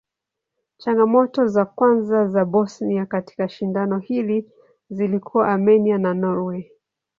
Changamoto za kwanza za Bosnia katika shindano hili zilikuwa Armenia na Norway.